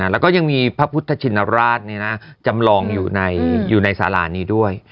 แล้วก็ยังมีพระพุทธชินราชจำลองอยู่ในสารานี้ด้วย